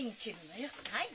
はい。